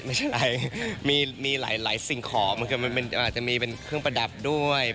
ไม่ใช่ไรมีหลายสิ่งขอมันอาจจะมีเป็นเครื่องประดับด้วย